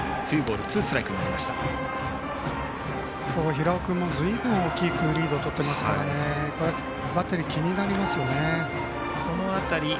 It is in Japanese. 平尾君も随分大きくリードをとっていますからバッテリー、気になりますよね。